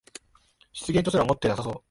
失言とすら思ってなさそう